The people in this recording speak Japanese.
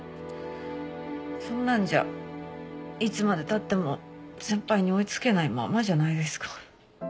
そんなんじゃいつまでたっても先輩に追い付けないまんまじゃないですか。